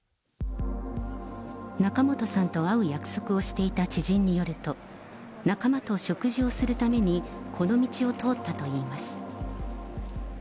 仲本さんと会う約束をしていた知人によると、仲間と食事をするために、この道を通ったといいます。